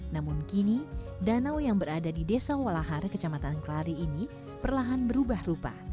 namun kini danau yang berada di desa walahar kecamatan kelari ini perlahan berubah rupa